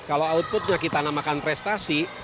kalau outputnya kita namakan prestasi